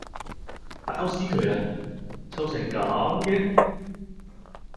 爆屎渠呀！臭成咁嘅